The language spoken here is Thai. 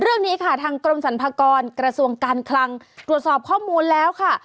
เรื่องนี้ค่ะทางกรมสรรพากรกระทรวงการคลังตรวจสอบข้อมูลแล้วค่ะ